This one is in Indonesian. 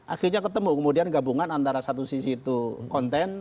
akhirnya ketemu kemudian gabungan antara satu sisi itu konten